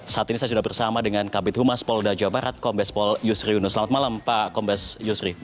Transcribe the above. saat ini saya sudah bersama dengan kabit humas polda jawa barat kombes pol yusri yunus selamat malam pak kombes yusri